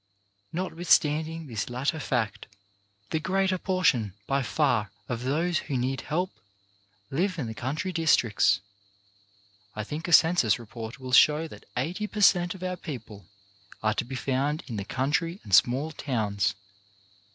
Not withstanding this latter fact, the greater portion, by far, of those who need help live in the country districts. I think a census report will show that eighty per cent, of our people are to be found in the country and small towns.